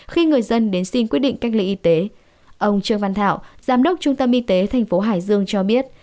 khi người dân đến xin quyết định cách ly y tế ông trương văn thảo giám đốc trung tâm y tế tp hải dương cho biết